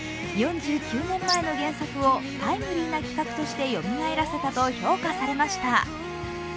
４９年前の原作をタイムリーな企画としてよみがえらせたと評価されました。